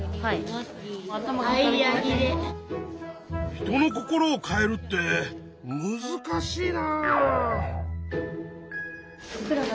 人の心を変えるってむずかしいな！